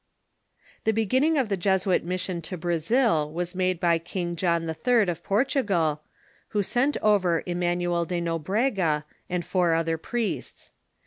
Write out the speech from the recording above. The beginning of the Jesuit mission to Brazil was made by King John III. of Portugal, who sent over Emanuel de No ,... brega and four other priests.